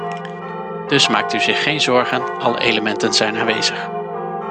Dus maakt u zich geen zorgen, alle elementen zijn aanwezig.